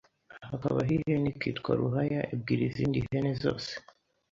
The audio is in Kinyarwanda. Hakabaho ihene ikitwa Ruhaya Ibwira izindi hene zose